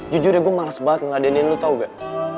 jujur ya gue males banget ngeladenin lu tau gak